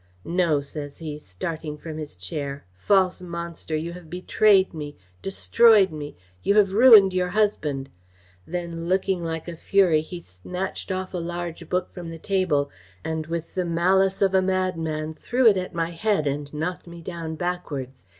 'No!' says he, starting from his chair, 'false monster, you have betrayed me, destroyed me, you have ruined your husband!' Then looking like a fury, he snatched off a large book from the table, and, with the malice of a madman, threw it at my head and knocked me down backwards.